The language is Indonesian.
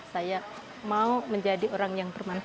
saya mau menjadi orang yang bermanfaat